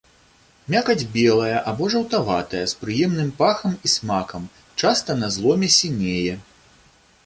Мякаць белая або жаўтаватая з прыемным пахам і смакам, часта на зломе сінее.